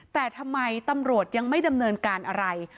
แต่ทำไมตำรวจยังไม่ดำเนินการอะไร